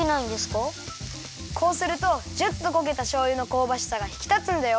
こうするとジュっとこげたしょうゆのこうばしさがひきたつんだよ。